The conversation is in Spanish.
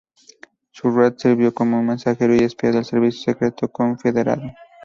Surratt sirvió como mensajero y espía del Servicio Secreto Confederado.